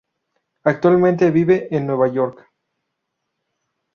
Actualmente vive en Nueva York.